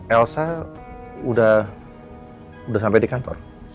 elsa udah sampai di kantor